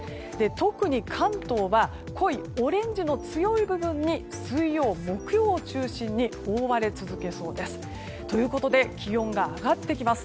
特に関東は濃いオレンジの強い部分に水曜、木曜を中心に大荒れ続けそうです。ということで気温が上がってきます。